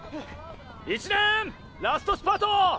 ラストスパート！